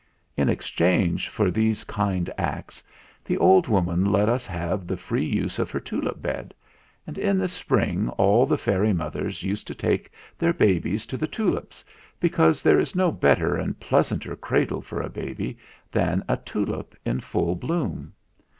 In exchange for these kind acts the old woman let us have the free use of her tulip bed, and in the Spring all the fairy mothers used to take their babies to the tulips, because there is no better and pleasanter cradle for a baby than a tulip in full bloom.